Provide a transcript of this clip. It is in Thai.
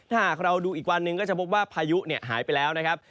ถ้าหากเราดูอีกวันหนึ่งก็จะพบว่าพายุหายไปแล้วนะครับ